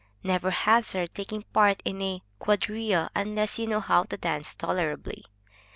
Never hazard taking part in a quadrille unless you know how to dance tolerably.